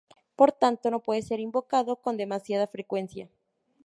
Por tanto, no puede ser invocado con demasiada frecuencia.